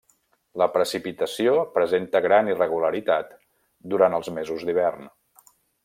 La precipitació presenta gran irregularitat durant els mesos d'hivern.